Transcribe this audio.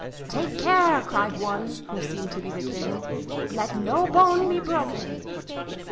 "Take care," cried one, who seemed to be the king, "let no bone be broken."